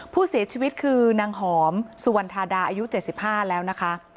ผู้เสียชีวิตคือนางหอมสุวรรณธาดาอายุ๗๕แล้วนะคะ